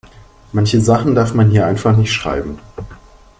Manche Sachen darf man hier einfach nicht schreiben.